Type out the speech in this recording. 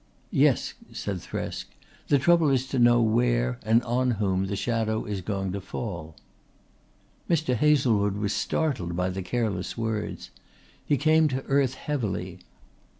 "Yes," said Thresk. "The trouble is to know where and on whom the shadow is going to fall." Mr. Hazlewood was startled by the careless words. He came to earth heavily.